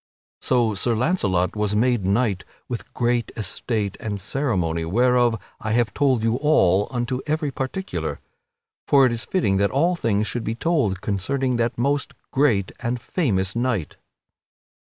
So Sir Launcelot was made knight with great estate and ceremony, whereof I have told you all, unto every particular. For it is fitting that all things should be so told concerning that most great and famous knight.